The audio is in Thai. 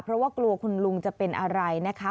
เพราะว่ากลัวคุณลุงจะเป็นอะไรนะคะ